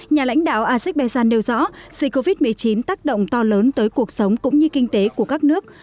nhà lãnh đạo isaac bejan đều rõ dịch covid một mươi chín tác động to lớn tới cuộc sống cũng như kinh tế của các nước